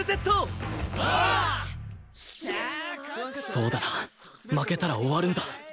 そうだな負けたら終わるんだ